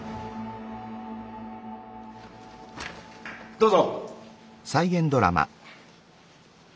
どうぞ。